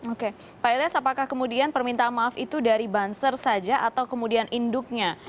oke pak ilyas apakah kemudian permintaan maaf itu dari banser saja atau kemudian induknya